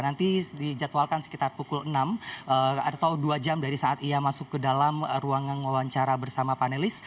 nanti dijadwalkan sekitar pukul enam atau dua jam dari saat ia masuk ke dalam ruangan wawancara bersama panelis